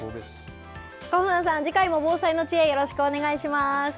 かほなんさん、次回も防災の知恵、よろしくお願いします。